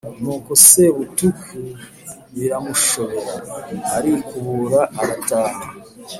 Nuko Sebutuku biramushobera, arikubura arataha.